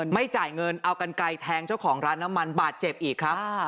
ไม่จ่ายเงินเอากันไกลแทงเจ้าของร้านน้ำมันบาดเจ็บอีกครับ